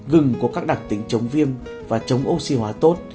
gừng có các đặc tính chống viêm và chống oxy hóa tốt